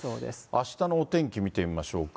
あしたのお天気見てみましょうか。